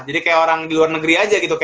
jadi kaya orang di luar negeri aja gitu